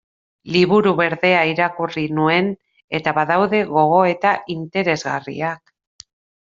Liburu Berdea irakurri nuen, eta badaude gogoeta interesgarriak.